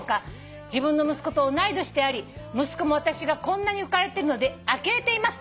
「自分の息子と同い年であり息子も私がこんなに浮かれてるのであきれています」